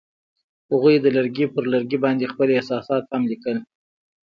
هغوی د لرګی پر لرګي باندې خپل احساسات هم لیکل.